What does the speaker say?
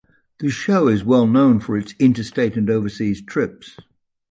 The show is well known for its interstate and overseas trips.